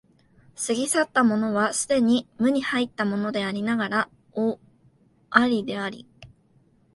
過ぎ去ったものは既に無に入ったものでありながらなお有であり、